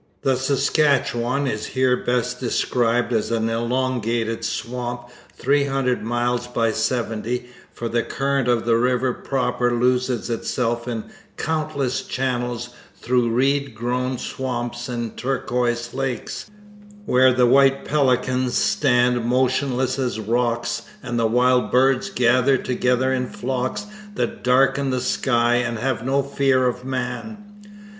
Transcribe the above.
The Saskatchewan is here best described as an elongated swamp three hundred miles by seventy, for the current of the river proper loses itself in countless channels through reed grown swamps and turquoise lakes, where the white pelicans stand motionless as rocks and the wild birds gather together in flocks that darken the sky and have no fear of man.